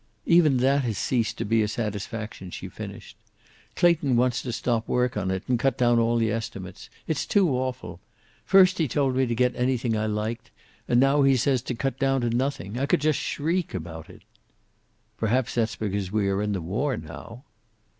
"Even that has ceased to be a satisfaction," she finished. "Clayton wants to stop work on it, and cut down all the estimates. It's too awful. First he told me to get anything I liked, and now he says to cut down to nothing. I could just shriek about it." "Perhaps that's because we are in the war, now."